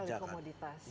banyak sekali komoditas